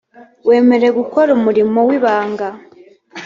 wemerewe gukora umurimo w’ ibanga.